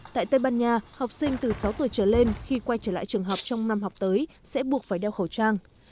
tại tây ban nha học sinh từ sáu tuổi trở lên khi quay trở lại trường học trong năm học tới sẽ buộc phải đeo khẩu trang